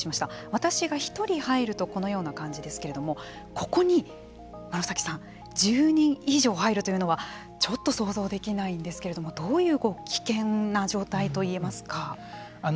私が１人入るとこのような感じですけれどもここに室崎さん１０人以上入るというのはちょっと想像できないんですけどどういう危険な状態といえますか。